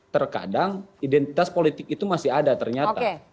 terkadang identitas politik itu masih ada ternyata